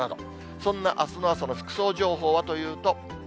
そんなあすの朝の服装情報はというと。